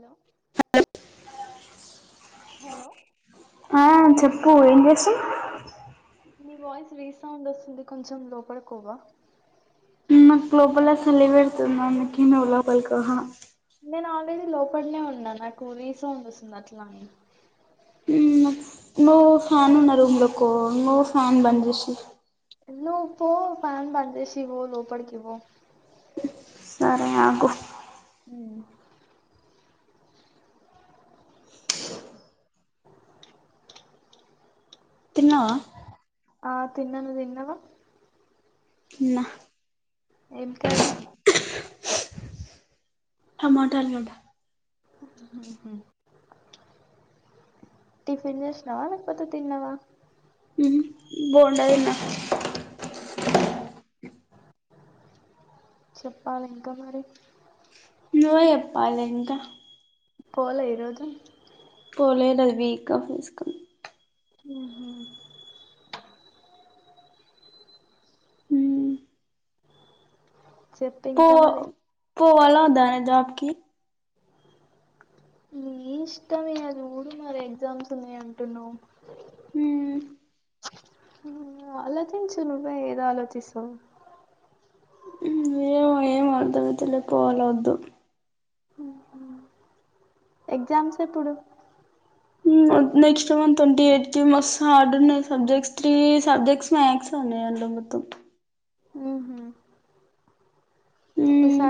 లో ఆ చెప్పు ఏం చేసు నీ వాయిస్ రీసౌండ్ వస్తుంది కొంచెం లోపడుకోవా క్ లోబల్ చలి పెడుతుందేహ నేను ఆవేదిీ లోపలనే ఉన్నా నాకునీసం వస్తుంది అట్లా అని నో ఫ్యాన్ ఉన్నారు రూమ్లకు నో ఫ్యాన్ బందిసి లో పో ఫ్యాన్ బందసిీవ లోూపడుకివ సరే ఆకు అ తిన్నా ఆ తిన్నాను తిన్నవా నా ఏం కాది ఆ మాోటాల ఉంట టిఫన్ జష్ నవా పతే తన్నవా బోడా విన్నా చెప్పాలి ఇంకా మరి న చెప్పాలి ఇంకా పోలే ఈరోజు పోలే నబీకా ఫస్కం హ చెప్పు పో ఇంకా మరి పోవా ఉదానే జబకి న ఇష్టమే అది ఊరు మరి ఎగ్జామ్స్నే అంటున్నావు హ ఆలోచించించు ను బా ఏదో ఆలోచిించ ఏమ ఏం అర్తం తెలియకపోవాల వద్దు ఎగ్జామ్స్ ఎప్పుడు నెక్స్ట్ మన్ ట్వంటీ ఎయిట్ కి మ హార్డ్ ఉన్నాయి సబ్జెక్ట్స్ త్రీ సబ్జెక్ట్స్ మ్యాథ్స్ అనే ంట మత్తం ఉహు. మ్మ్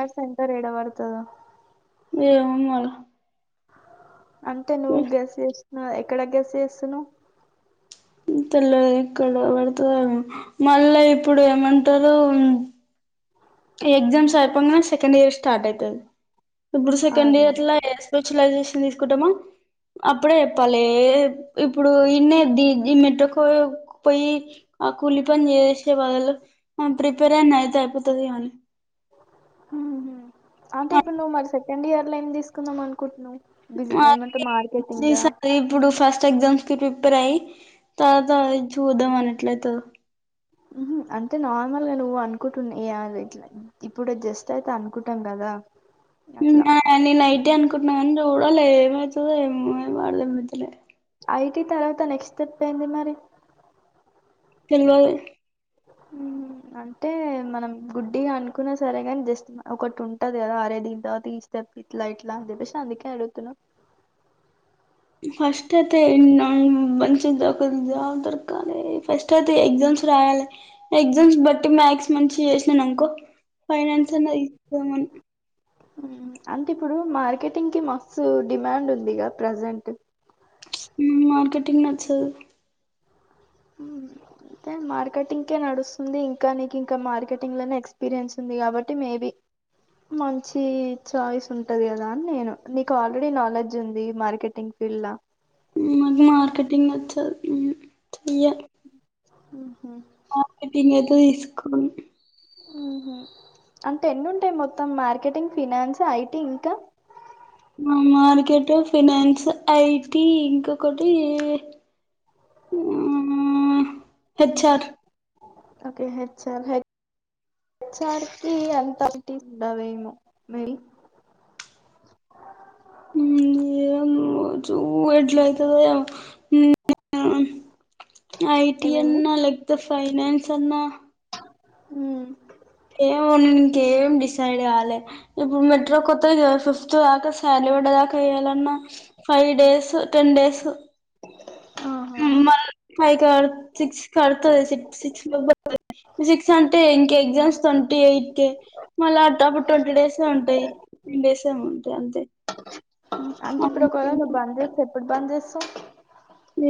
పత్తద ఏ ఉమళ అంటే నువ్వు గస్ చేస్తున్నా ఎక్కడ గస్ చేస్తు నువ్వు తెల్లిదు ఇక్కడ పడుతుంది మళ్ళా ఇప్పుడు ఏమంటారు ఎగ్జామ్స్ సరిపో సెకండ్ ఇయర్ స్టార్ట్ అవుతుది ఇప్పుడు సెకండ్ అదే ఇయర్లా స్పెషలైజేషన్ తీసుకుంటామా అప్పుడే చెప్పలేి ఇప్పుడు ఇన్న ద మెట్్రోకో పోయి ఆ కూలి పని చేసేసే బదులు ప్రిపేర్ అయిన అయితే అయిపోతుంది కానీ అంటే ఇప్పుడు నువ్వు మరి సెకండ్ ఇయర్ లో ఏమి తీసుకుందాం అనుకుంటున్నా్ అసారు ఇప్పుడు ఫస్ట్ ఎగ్జామ్స్ కి ప్రిపేర్ అయి తాలా త చూద్దాం అనట్లయితే అంటే నార్మల్గా నువ్వు అనుకుంటున్నా ఇలా ఇప్పుడు జస్ట్ అయితే అనుకుంటాం కదా త్త నేను అఐతే అనుకుంటున్నానుం చూడాల ఏమవుతుంద ఏమోం వాడలే మద్దలే ఐటి తర్వాత నెక్స్ట్ చెప్ప అయింది మరి తెలువా హ అంటే మనం గుడ్డిగా అనుకున్నా సరే గాని జస్ట్ ఒకటి ఉంటది కదా అరే దీని తర్వాతస్త ఇలా ఇట్లాంది పష అంది కడతున ఫస్ట్ అయితే మంచించి దా జా దరక ఫస్ట్ అయితే ఎక్జామ్ రాయాలి ఎగ్జామ్స్ బట్టి మ్యాథ్స్ మంచి చేసినానునుకో ఫైనాన్సన్న ఇద్దామన్ అంటే ఇప్పుడు మార్కెటింగ్ కి మస్తు డిమాండ్ ఉందిగ ప్రజెంట్ మార్కెటింగ్ నచ్చదు తే మార్కెటింగ్కే నడుస్తుంది ఇంకా నీకు ఇంకా మార్కెటింగ్ లోనే ఎక్స్పీరియన్స్ ఉంది. కాబట్టి మేబి మంచి చాయిస్ ఉంటది కదా నేను నీకు ఆల్రెడీ నాలెడ్జ్ ఉంది మార్కెటింగ్ ఇల్లా మకు మార్కెటింగ్ వచ్చ ఉ య్య హ మార్కెటింగ్ అయితే తీసుకోరు ఉహు అంటే ఎన్ని ఉంటాయి మొత్తం మార్కెటింగ్ ఫినాన్స్ ఐటీ ఇంకా మార్కెట్ ఫినాన్స్ ఐటి ఇంకొకటి ఆ హెచ్ఆర్ ఓకే హెచ్ ఆర్ హ హెచ్ ఆర్ కి అంతటీ ఉండవేమో మెయి ఏమో చు ఎడ్లాయితే ఏమో ఐటి ఏమైంది అన్నా లైక్ ద ఫైనాన్స్ అన్నా ఉ ఏమో నేను ఇంకేం డిసైడ్ కాల ఇప్పుడు మెట్రో కొత్త ఫిఫ్త్ కాక శాలరీ ఇప్పుడు దాక ఇల అన్నావ్ ఫైవ్ డేస్ టెన్ డేస్ ఆహా మన ఫై క సిక్స్ కతు సిక్స్ మ ఫిజిక్స్ అంటే ఇంక ఎగ్జామ్స్ ట్వంటీ ఎయిట్ కే మళ్ళ టప్ ట్వంటీ డేస్ లో ఉంటాయి వేసాము అంతే అంతే అంటే ఇప్పుడు ఒకవేళ నువ్వు బంద్ చేస్తే ఎప్పుడు బంద్ చేస్తావు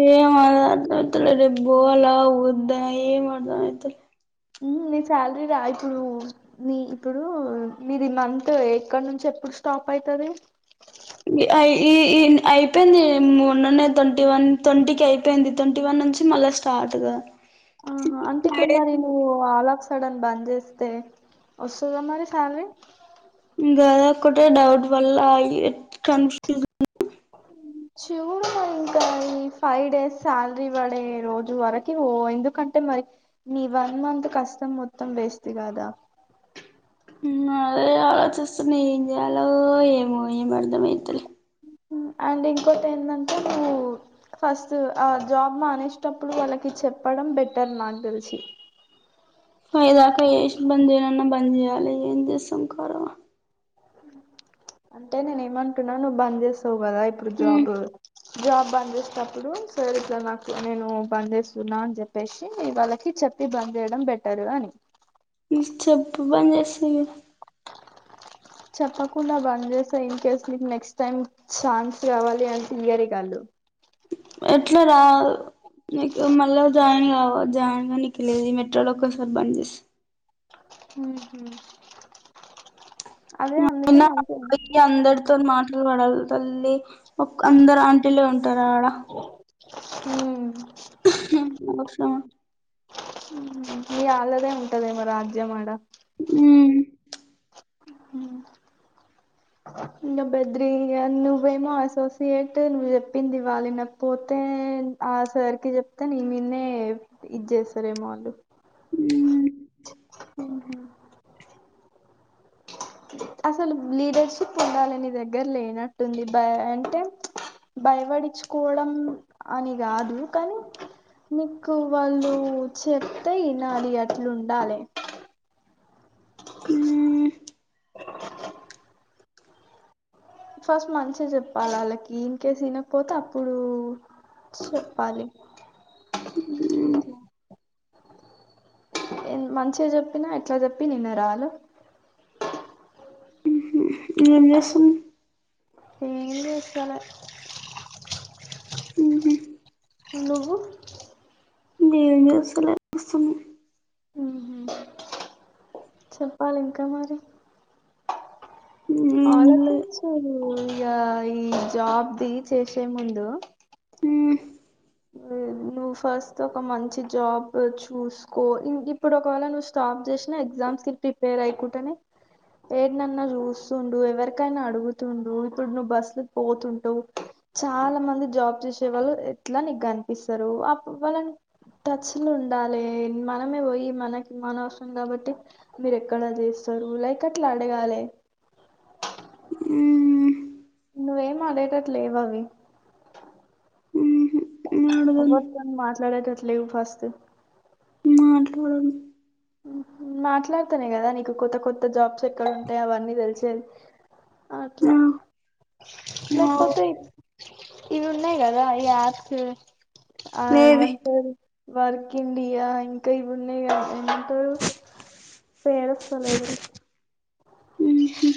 ఏ మద అతల రేబ్ బో అలా వద్దా ఏ మర్ధమైతలే నీ శాలరీ రా ఇప్పుడు నీ ఇప్పుడు నీది మంత్ ఎక్కడ నుంచి ఎప్పుడు స్టా పాప అయితది అయిపోయింది మొన్ననే ట్వంటీ వన్ ట్వంటీకి అయిపోయింది ట్వంటీ వన్ నుంచి మళ్ళీ స్టార్ట్ ఆహ అంటే మరి నువ్వు హలా సడన్ బంద్ చేస్తే వస్తదా మరి ఫ్యామిలీ కాద ఒకటే డౌట్ వల్ల అయి కన్ఫ్యూజన్ ష్యూర్ గా ఇంకా ఈ ఫైవ్ డేస్ శాలరీ పడే రోజు వరకు ఓ ఎందుకంటే మరి నీ వన్ మంత్ కష్టం మొత్తం వేస్ట్ కాదా అదే ఆలోచిస్తున్నా ఏం చేయాలో ఏమో ఏం అర్ధమైతలే అండ్ ఇంకోటి ఏందంటే నువ్వు ఫస్ట్ ఆ జాబ్ మానేసటప్పుడు వాళ్ళకి చెప్పడం బెటర్ నాకు తెలిసి పైదాకా ఏ బంద్ చేయాలన్నా బంద్ చేయాలి ఏం చేస్తాం కారు అంటే నేనే ఏమంటున్నా నువ్వు బంద చేసావు కదా ఇప్పుడు జాబ్ జాబ్ బంద్ చేసటప్పుడు సరే సార్ నాకు నేను బంద్ చేస్తున్నా అని చెప్పేసి వాళ్ళకి చెప్పి బంద్ చేయడం బెటరు అని ని చెబ పని చేస్తు చెప్పకుండా బంద్ చేస్తా ఇన్ కేస్ నకు నెక్స్ట్ టైమ్ ఛాన్స్ కావాలి అని తెలియరే కాదు ఎట్లా రా కు మళ్ళా జాయిన్ వ జాయిన్ గా నికులేది మెట్రోలో ఒకసారి బంద చేసి హ హ అయినా అ అందరితో మాట్లు పడాలి తల్లి ఒక అందరు ఆంటీలే ఉంటారు ఆడ హ వర్షమా ఈ ఆలదే ఉంటది మరి రాజ్య మ ఉ హ ఇంకా బద్రి నువ్వేమో అసోసియేట్ నువ్వు చెప్పింది ఇవాళి నాక పోతే ఆ సరికి చెప్తే న మీన్నే ఇది చేస్తారేమో వాళ్ళు అ అసలు లీడర్షిప్ ఉండాలని దగ్గర లేనట్టుంది బ అంటే భయపడిచుకోవడం అని కాదు కానీ మీకు వాళ్ళు చెప్తే ఈ నాలు అట్లు ఉండాలి ఫస్ట్ మంచిగా చెప్పాలి వాళ్ళకి ఇన్ కేస్ వినకపోతే అప్పుడు చెప్పాలిఓక మంచిగా చెప్పిన ఎట్లా చెప్పి నిన్న రాాల అసను ఏవచ్చాల నువు దసలస్తు చెప్పాలి ఇంకా మరి ఏం ఆలోచించు ఇక ఈ జాబ్దిి చేసే ముందు లే నువ్వు ఫస్ట్ ఒక మంచి జాబ్ చూసుకో ఇప్పుడు ఒకవేళ నువ్వు స్ ప్ చేసిన ఎగ్జామ్స్ కి ప్రిపేర్ అయికుంటనే ఏరినన్నా చూస్తుడు ఎవరికైనా అడుగుతుండు ఇప్పుడు నువ్వు బస్లు పోతుంటువు చాలా మంది జాబ్ చేసే వాళ్ళు ఎట్లా నీకు కనిపిస్తారు వాళ్ళని టచ్ లు ఉండాలి మనమే పోయి మనకి మన అవసరం కాబట్టి మీరు ఎక్కడా చేస్త సరువులయ కట్లా అడేగాాల నువ్వేం అదేటట్ లేవు అవి ఊహు ఆడదాను వవతం మాట్లాడతే ఎట్లేవి ఫస్ట్ మాట్లాడను మాట్లాడుతానే కదా నీకు కొత్త కొత్త జాబ్స్ ఎక్కడ ఉంటాయి అవన్నీ తెలిసేది అట్లా ఆ అవు లేకపోతే ఇవి ఉన్నాయి కదా ఈ ఆయాస్ ఆ లేేవి ఏమంతసర్ వర్క్ ఇండియా ఇంకా ఇ బన్న కా అ పేరస్ అాలదు ఊహు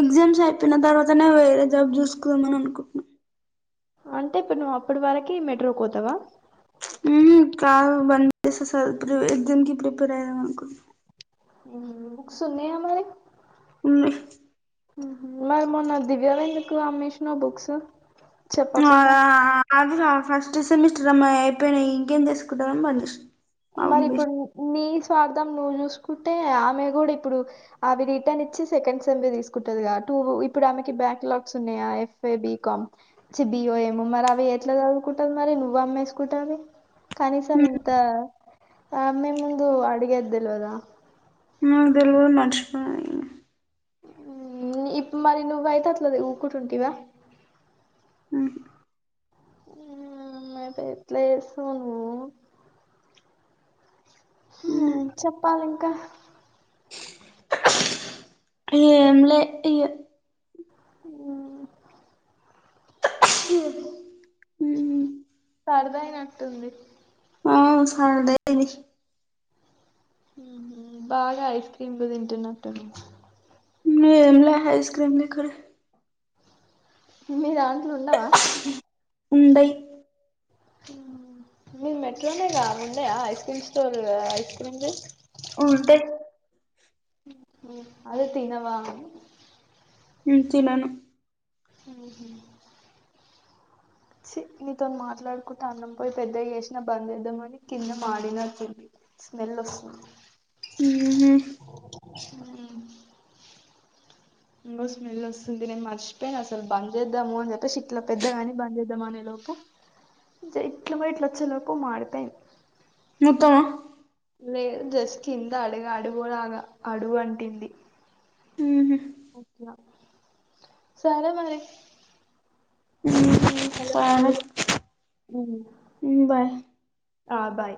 ఎగ్జామ్స్ అయిపోయిన తర్వాతనే వేరే జాబ్ చూసుకుదామని అనుకుంటున్నాం అంటే ఇప్పుడు నువ్వు అప్పటి వరకి మెట్రో కోతావా వన్ అసలు ఎగ్జామ్కిి ప్రిపేర్ అయ్యంనుకు [unintelligible] బుక్స్ ఉన్నాయ మరి హ్మ్ మరి మొన్న దివ్యవి ఎందుకు అమ్మేష్నవ్ బుక్స్ అ చెప్పకుండా అది ఫస్ట్ సెమిస్టర్ అమ్మా అయిపోయినాయి ఇంకేం చేసుకుంటానని మరి ఇప్పుడు నీ వాడదాం నువ్వు చూసుకుంటే ఆమె గుడా ఇప్పుడు అవి రిటర్న్ ఇచ్చి సెకండ్ సెంవి తీసుకుంటది కా ఇప్పుడు ఆమెకి బ్యాక్ లాక్స్ ఉన్నాయా ఎఫ్ బీకాం బి ఓ యం మరి అవి ఎట్లా చదువు కుంటది మరి నువ్వు అమ్మేసుకుంటే అవి కనీసం హ్మ్. నింత ఆమె ముందు అడిగేది దెల్వద నాకు తెలుగులు మర్షిపో ఇప్పు మరి నువ్వుయితే అట్లది ఊకుటి ఉంటివా ఆ [unintelligible] ఎట్ల చేస్తావో నువ్వు హ్మ్ చెప్పాలి ఇంక ఎమ్లె ఈ [inaudible] సరిపోయినట్టుంది అ సార్దది [unintelligible] బాగా ఐస్ క్రీమ్లు తింటున్నట్టున్నవ్ మీ ఎమ్లా ఐస్క్రీమ్లు లేక్కడ మీర వుండై మీరు మెట్రోనే గా వుండయ ice cream store ice creams ఉంటాయి అది తినవ అని తినను హ్మ్ హు చీ నీతో మాట్లాడుకుంట అన్నం పోయి పెద్దవి చేసినా బంద్ ఇద్దామని కింద మాడినట్టుంది స్మెల్ వస్తు హ్మ్ స్మెల్ వస్తుంది నేను మర్చిపోయిన అసలు బంద్చేద్దాము అని చెప్పేసి ఇట్లా పెద్దగాని బంద్చేద్దాం అనేలో ఇట్లా మ ఇట్లా వచ్చేలోకు మాడిపో ముత్త నేను జస్ట్ కింద అడుగు అడుగులాగా అడుగు అంటింది సరే మరి సరే హ్మ్ హ్మ్ బాయ్ అ బాయ్